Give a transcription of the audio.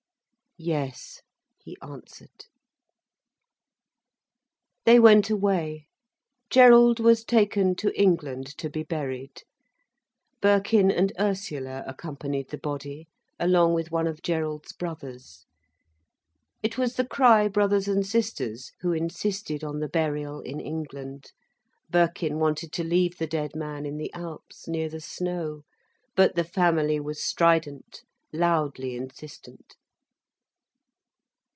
"Yes," he answered. They went away. Gerald was taken to England, to be buried. Birkin and Ursula accompanied the body, along with one of Gerald's brothers. It was the Crich brothers and sisters who insisted on the burial in England. Birkin wanted to leave the dead man in the Alps, near the snow. But the family was strident, loudly insistent.